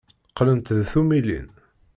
Qqlent d tummilin.